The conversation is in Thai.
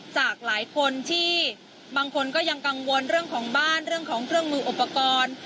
จากหลายคนที่บางคนก็ยังกังวลเรื่องของบ้านเรื่องของเครื่องมืออุปกรณ์